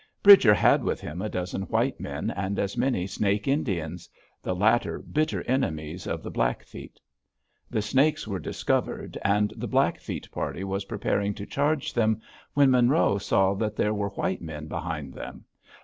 Bridger had with him a dozen white men and as many Snake Indians, the latter bitter enemies of the Blackfeet. The Snakes were discovered, and the Blackfeet party was preparing to charge them, when Monroe saw that there were white men behind them.